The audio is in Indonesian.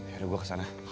yaudah gua kesana